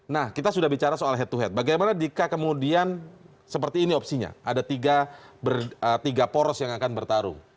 nah kita sudah bicara soal head to head bagaimana jika kemudian seperti ini opsinya ada tiga poros yang akan bertarung